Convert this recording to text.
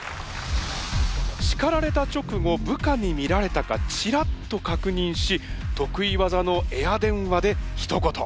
叱られた直後部下に見られたかちらっと確認し得意技のエア電話でひと言。